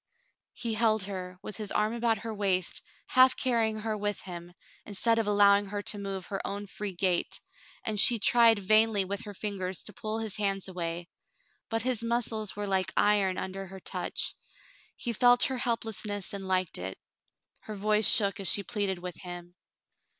He held her, with his arm about her waist, half carrying her with him, instead of allowing her to move her own free gait, and she tried vainly with her fingers to pull his hands away; but his muscles were like iron under her touch. He felt her helplessness and liked it. Her voice shook as she pleaded with him.